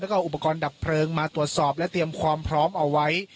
แล้วก็อุปกรณ์ดับเพลิงมาตรวจสอบและเตรียมความพร้อมเอาไว้